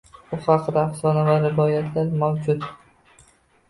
U haqida afsona va rivoyatlar mavjud.